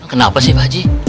kenapa sih pak aji